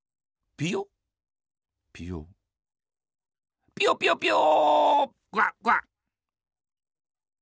ピヨピヨピヨピヨピヨヨ。